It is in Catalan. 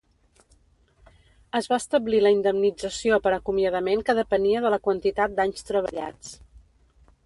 Es va establir la indemnització per acomiadament que depenia de la quantitat d'anys treballats.